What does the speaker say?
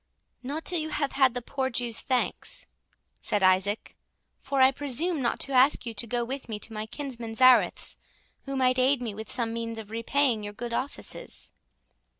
"Not till you have had the poor Jew's thanks," said Isaac; "for I presume not to ask you to go with me to my kinsman Zareth's, who might aid me with some means of repaying your good offices."